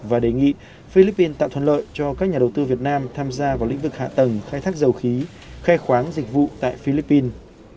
và đề nghị philippines tạo thuận lợi cho các nhà đầu tư việt nam tham gia vào lĩnh vực hạ tầng khai thác dầu khí khai khoáng dịch vụ tại philippines